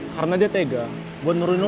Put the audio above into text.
karena dia tega buat nurulin lo